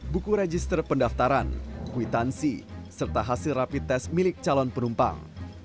buku register pendaftaran kwitansi serta hasil rapid test milik calon penumpang